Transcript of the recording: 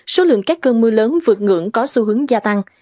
số lượng các cơn mưa lớn vượt ngưỡng có xu hướng gia tăng